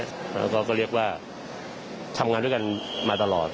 แล้วก็เรียกว่าทำงานด้วยกันมาตลอด